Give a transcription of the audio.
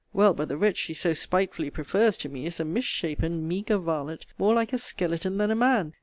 Well, but the wretch she so spitefully prefers to me is a mis shapen, meagre varlet; more like a skeleton than a man!